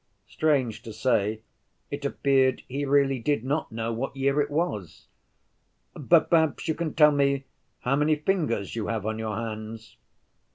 Strange to say, it appeared he really did not know what year it was. "But perhaps you can tell me how many fingers you have on your hands?"